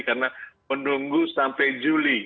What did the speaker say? karena menunggu sampai juli